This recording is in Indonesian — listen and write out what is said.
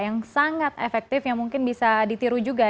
yang sangat efektif yang mungkin bisa ditiru juga